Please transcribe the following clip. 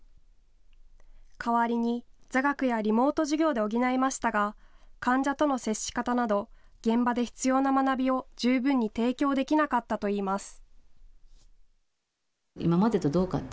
代わりに座学やリモート授業で補いましたが患者との接し方など現場で必要な学びを十分に提供できなかったといいます。